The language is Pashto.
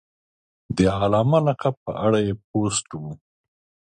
د علامه لقب په اړه یې پوسټ و.